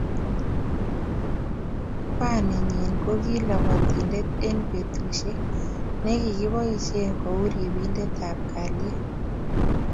kwaninyi koki labatitendet eng betushek nikiboishei kou ripindet ab kalyet